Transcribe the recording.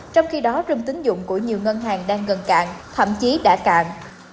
trong khi đó trong tính dụng của nhiều ngân hàng đang gần cạn thậm chí đã cạn